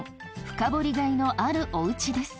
深掘りがいのあるおうちです。